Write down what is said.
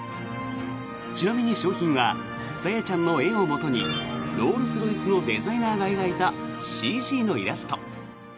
ちなみに賞品はＳａｙａちゃんの絵をもとにロールス・ロイスのデザイナーが描いたＣＧのイラスト。